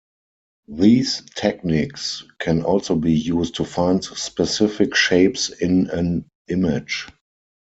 These techniques can also be used to find specific shapes in an image.